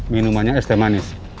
minumannya es teh manis